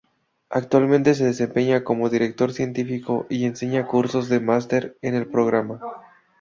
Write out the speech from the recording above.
Actualmente se desempeña como Director Científico y enseña cursos de master en el programa.